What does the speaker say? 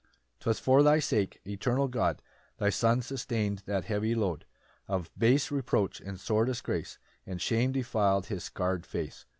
1 'Twas for thy sake, eternal God, Thy son sustain'd that heavy load Of base reproach and sore disgrace, And shame defil'd his sacred face.